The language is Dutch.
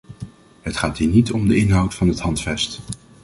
Het gaat hier niet om de inhoud van het handvest.